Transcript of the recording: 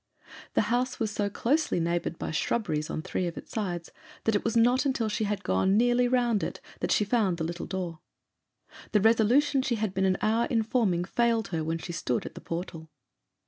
The house was so closely neighboured by shrubberies on three of its sides that it was not till she had gone nearly round it that she found the little door. The resolution she had been an hour in forming failed her when she stood at the portal.